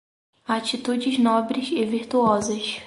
Atitudes nobres e virtuosas